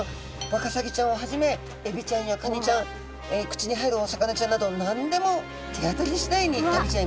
ワカサギちゃんをはじめエビちゃんやカニちゃん口に入るお魚ちゃんなど何でもてあたりしだいに食べちゃいます。